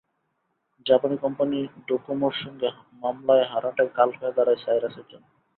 জাপানি কোম্পানি ডোকোমোর সঙ্গে মামলায় হারাটাই কাল হয়ে দাঁড়ায় সাইরাসের জন্য।